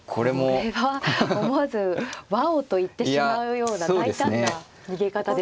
これは思わず「ワオ！」と言ってしまうような大胆な逃げ方ですが。